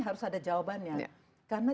harus ada jawabannya karena